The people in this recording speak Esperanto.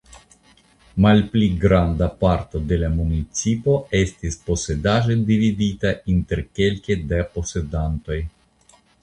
Malpli granda parto de la municipo estis posedaĵe dividita inter kelke da posedantoj.